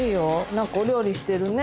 何かお料理してるね。